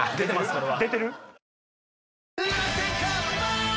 これは。